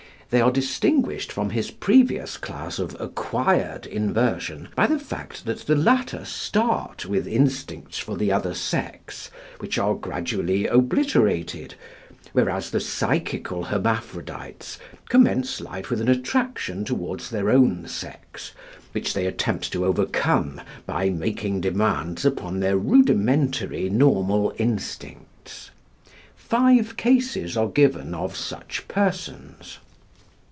They are distinguished from his previous class of "acquired" inversion by the fact that the latter start with instincts for the other sex, which are gradually obliterated; whereas the psychical hermaphrodites commence life with an attraction towards their own sex, which they attempt to overcome by making demands upon their rudimentary normal instincts. Five cases are given of such persons.